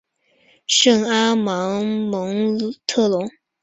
圣阿芒蒙特龙。